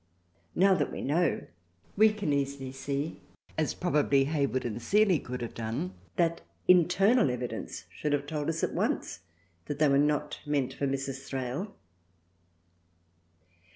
Now that we know, we can easily see, as probably Hayward and Seeley could have done, that internal evidence should have told us at once that they were not meant for Mrs. Thrale.